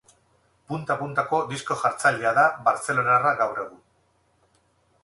Punta-puntako disko-jartzailea da bartzelonarra gaur egun.